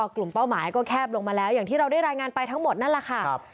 เป้าหมายก็แคบลงมาแล้วอย่างที่เราได้รายงานไปทั้งหมดนั่นแหละค่ะ